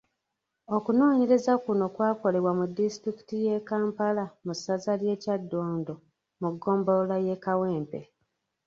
Okunoonyereza kuno kwakolebwa mu disitulikiti y’eKampala mu ssaza, ly’eKyaddondo mu Ggombolola y’eKawempe.